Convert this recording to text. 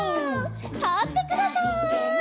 たってください。